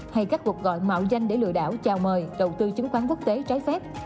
hay các cuộc gọi mạo danh để lừa đảo chào mời đầu tư chứng khoán quốc tế trái phép